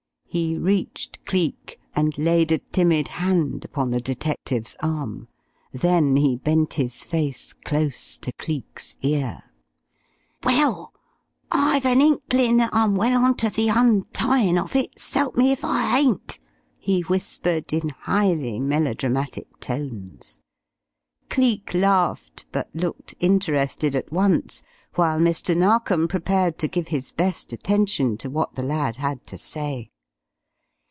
He reached Cleek and laid a timid hand upon the detective's arm. Then he bent his face close to Cleek's ear. "Well, I've an inklin' that I'm well on to the untyin' of it, s'help me if I ain't!" he whispered in highly melodramatic tones. Cleek laughed, but looked interested at once, while Mr. Narkom prepared to give his best attention to what the lad had to say.